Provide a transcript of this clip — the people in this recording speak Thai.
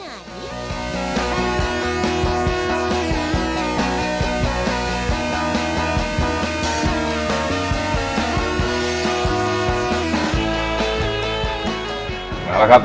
มาแล้วครับตอนนี้ก็พร้อมชิมแล้วนะครับผม